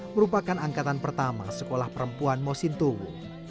merupakan angkatan pertama sekolah perempuan mosintowo